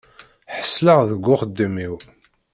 Ḥeṣleɣ deg uxeddim-iw.